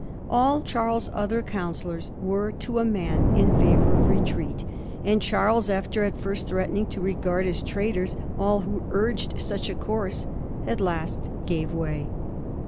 All Charles's other counsellors were to a m*an in favor of retreat, and Charles, after at first threatening to regard as traitors all who urged such a course, at last gave way.